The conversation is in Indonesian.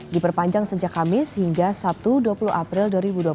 diperpanjang sejak kamis hingga sabtu dua puluh april dua ribu dua puluh satu